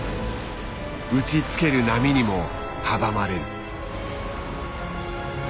打ちつける波にも阻まれる。